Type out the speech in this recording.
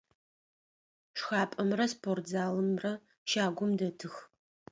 Шхапӏэмрэ спортзалымрэ щагум дэтых.